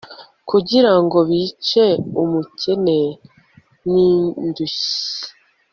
kugira ngo bice umukene n'indushyi